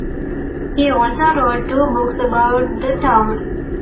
He also wrote two books about the town.